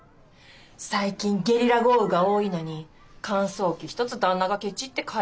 最近ゲリラ豪雨が多いのに乾燥機一つ旦那がケチって買えないらしいの。